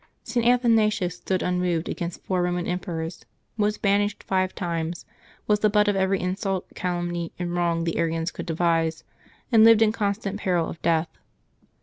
St. Athanasius stood un moved against four Eoman emperors; was banished five times; was the butt of every insult, calumny, and wrong the Arians could devise, and lived in constant peril of death.